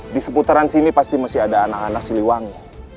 di seputaran sini pasti masih ada anak anak siliwangi